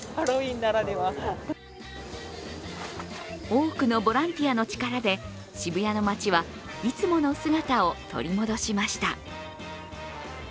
多くのボランティアの力で渋谷の街はいつもの姿を取り戻しました。